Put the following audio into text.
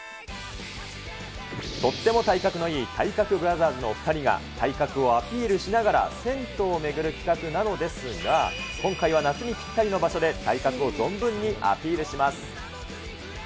とっても体格のいい体格ブラザーズのお２人が、体格をアピールしながら銭湯を巡る企画なんですが、今回は夏にぴったりの場所で、体格を存分にアピールします。